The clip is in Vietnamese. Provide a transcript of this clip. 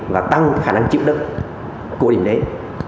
và tăng khả năng chịu đựng của điểm đến